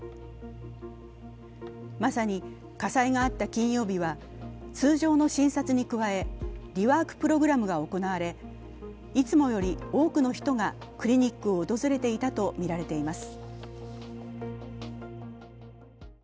まさに火災があった金曜日は通常の診察に加えリワーク・プログラムが行われ、いつもより多くの人がクリニックを訪れていたとみられています。